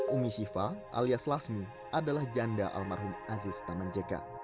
umi syifa alias lasmi adalah janda almarhum aziz taman jeka